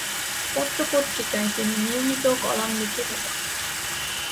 পত্র-পত্রিকায় তিনি নিয়মিত কলাম লিখে থাকেন।